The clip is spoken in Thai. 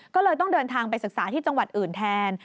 ก็เลยต้องเดินทางไปศึกษาที่จังหวัดอื่นแทน